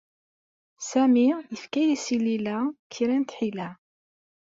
Sami yefka-as i Layla kra n tḥila.